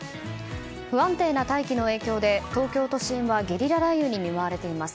不安定な大気の影響で東京都心はゲリラ雷雨に見舞われています。